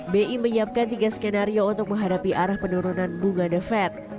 bi menyiapkan tiga skenario untuk menghadapi arah penurunan bunga the fed